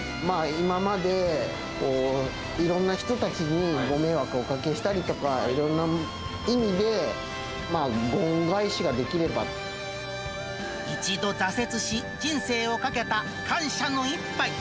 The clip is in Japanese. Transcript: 今まで、いろんな人たちにご迷惑をおかけしたりとか、いろんな意味で、一度挫折し、人生をかけた感謝の一杯。